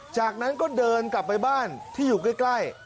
จากนั้นก็เดินกลับไปบ้านที่อยู่ใกล้